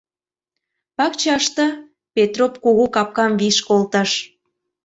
— Пакчаште, — Петроп кугу капкам виш колтыш.